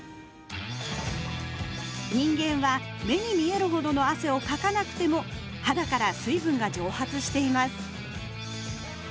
人間は目に見えるほどの汗をかかなくても肌から水分が蒸発しています